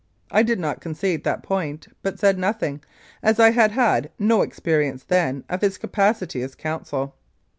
I did not concede that point, but said nothing, as I had had no experience then of his capacity as counsel.